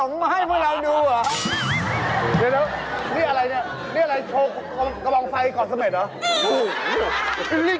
นี่อะไรโชว์กระบวนไฟก่อนเสม็ดครับ